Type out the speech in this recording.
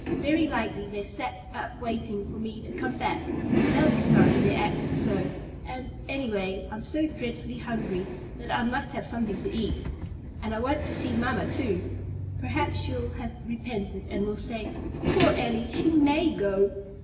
Very likely they've all sat up waiting for me to come back. They'll be sorry they acted so, and, any way, I'm so dreadfully hungry that I must have something to eat! And I want to see mamma too. Perhaps she'll have repented, and will say, 'Poor Elly! She may go.'"